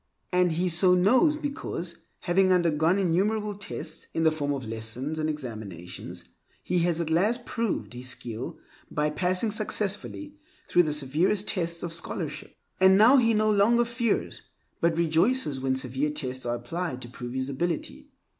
And he so knows because, having undergone innumerable tests in the forms of lessons and examinations, he has at last proved his skill by passing successfully through the severest tests of scholarship. And now he no longer fears, but rejoices when severe tests are applied to prove his ability.